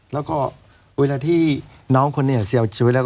แล้วก็เวลาที่น้องคนนี้เสียชีวิตแล้ว